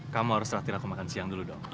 kamu harus latihan aku makan siang dulu dong